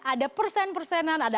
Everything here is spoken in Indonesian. ada persen persenan ada angka angka